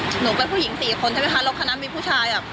หนูเป็นผู้หญิงสี่คนใช่ไหมคะแล้วคันนั้นมีผู้ชายอ่ะ